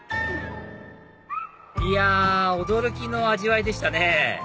いや驚きの味わいでしたね